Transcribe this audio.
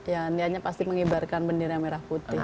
ya nianya pasti mengibarkan bendera merah putih